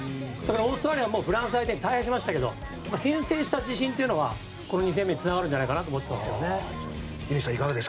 オーストラリアもフランス相手に大敗しましたけど先制した自信というのはこの２戦目につながるんじゃないかなと思ってますけどね。